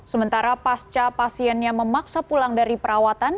sementara pasca pasiennya memaksa pulang dari perawatan